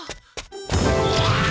うわっ！